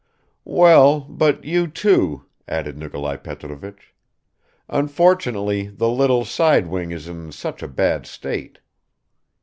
"Well, but you too," added Nikolai Petrovich. "Unfortunately the little side wing is in such a bad state."